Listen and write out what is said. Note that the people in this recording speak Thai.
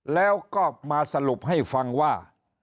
แล้วก็มาสรุปให้ฟังว่า